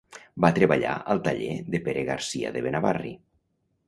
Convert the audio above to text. Va treballar al taller de Pere Garcia de Benavarri.